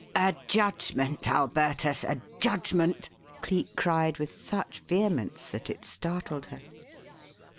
"A judgment, Alburtus, a judgment!" Cleek cried with such vehemence that it startled her.